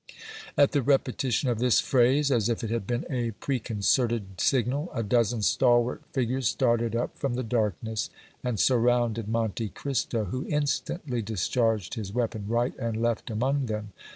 At the repetition of this phrase, as if it had been a preconcerted signal, a dozen stalwart figures started up from the darkness and surrounded Monte Cristo, who instantly discharged his weapon right and left among them.